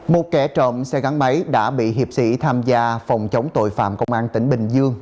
một kẻ trộm xe gắn máy đã bị hiệp sĩ tham gia phòng chống tội phạm công an tỉnh bình dương